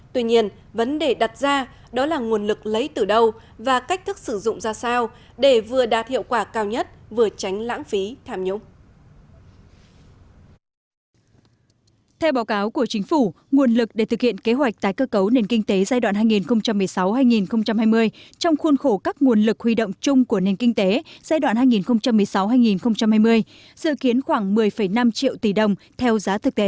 tuy nhiên vấn đề đặt ra đó là nguồn lực lấy từ đâu và cách thức sử dụng ra sao để vừa đạt hiệu quả cao nhất vừa tránh lãng phí tham nhũng